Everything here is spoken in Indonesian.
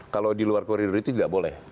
kalau di luar koridor itu tidak boleh